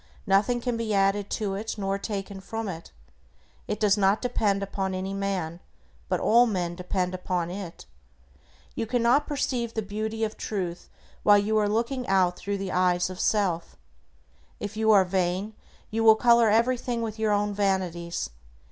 Nothing can be added to it, nor taken from it. It does not depend upon any man, but all men depend upon it. You cannot perceive the beauty of Truth while you are looking out through the eyes of self. If you are vain, you will color everything with your own vanities.